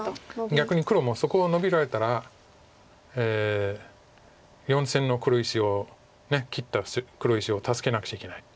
逆に黒もそこをノビられたら４線の黒石を切った黒石を助けなくちゃいけない。